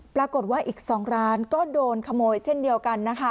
ปรากฏว่าอีก๒ร้านก็โดนขโมยเช่นเดียวกันนะคะ